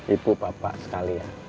ibu bapak sekalian